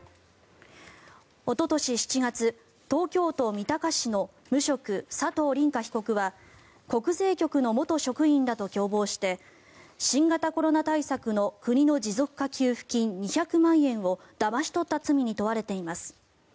おととし７月東京都三鷹市の無職佐藤凛果被告は国税局の元職員らと共謀して新型コロナ対策の国の持続化給付金２００万円をだまし取った罪に問われています。